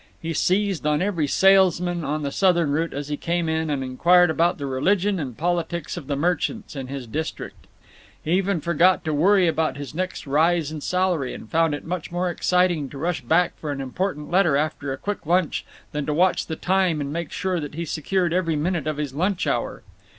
He seized on every salesman on the Southern route as he came in, and inquired about the religion and politics of the merchants in his district. He even forgot to worry about his next rise in salary, and found it much more exciting to rush back for an important letter after a quick lunch than to watch the time and make sure that he secured every minute of his lunch hour.